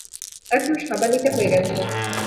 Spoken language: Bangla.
এখন সাবালিকা হয়ে গেছো।